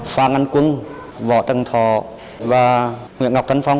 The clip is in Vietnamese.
phan anh quân võ trần thọ và nguyễn ngọc tân phong